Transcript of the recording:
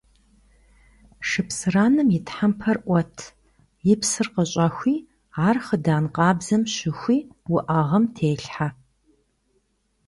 Шыпсыранэм и тхьэмпэр Ӏуэт, и псыр къыщӀэхуи, ар хъыдан къабзэм щыхуи уӀэгъэм телъхьэ.